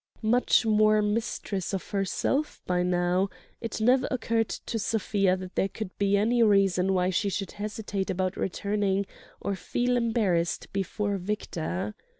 Much more mistress of herself by now, it never occurred to Sofia that there could be any reason why she should hesitate about returning or feel embarrassed before Victor.